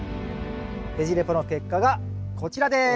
ベジ・レポの結果がこちらです。